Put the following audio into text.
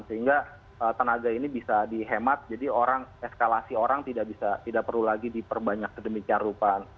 sehingga tenaga ini bisa dihemat jadi orang eskalasi orang tidak perlu lagi diperbanyak sedemikian rupa